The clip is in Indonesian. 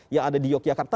yang ada di yogyakarta